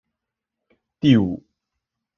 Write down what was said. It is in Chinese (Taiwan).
第五